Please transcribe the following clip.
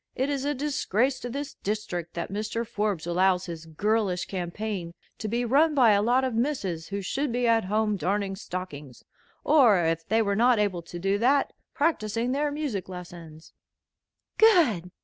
It is a disgrace to this district that Mr. Forbes allows his girlish campaign to be run by a lot of misses who should be at home darning stockings; or, if they were not able to do that, practicing their music lessons." "Good!"